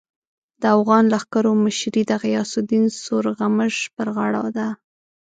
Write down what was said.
د اوغان لښکرو مشري د غیاث الدین سورغمش پر غاړه ده.